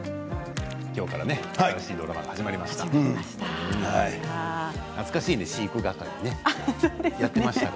今日から新しいドラマが始まりました。